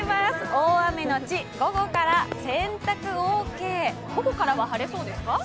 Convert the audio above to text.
大雨のち午後から洗濯オーケー、午後からは晴れそうですか？